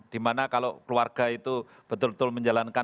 di mana kalau keluarga itu betul betul menjalankan